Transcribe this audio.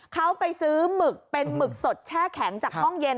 เขาไปซื้อหมึกเป็นหมึกสดแช่แข็งจากห้องเย็น